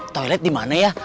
toilet dimana ya